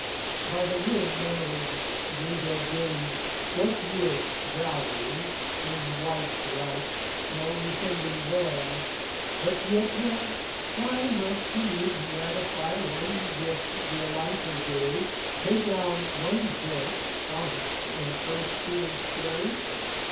By the mere marriage, Guido gained forthwith Dowry, his wife's right; no rescinding there: But Pietro, why must he needs ratify One gift Violante gave, pay down one doit Promised in first fool's flurry?